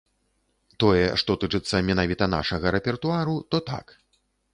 Тое, што тычыцца менавіта нашага рэпертуару, то так.